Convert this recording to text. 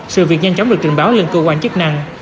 sự việc nhanh chóng được trình báo lên cơ quan chức năng